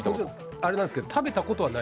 あれなんですけど、食べたことはない。